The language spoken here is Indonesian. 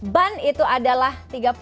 ban itu adalah tiga puluh